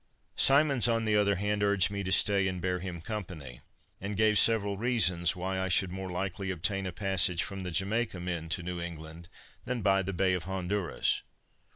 Symonds, on the other hand, urged me to stay and bear him company, and gave several reasons why I should more likely obtain a passage from the Jamaica men to New England, than by the Bay of Honduras.